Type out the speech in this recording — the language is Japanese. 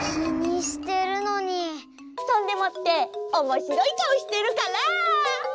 そんでもっておもしろいかおしてるから！